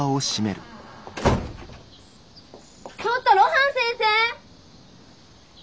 ちょっと露伴先生！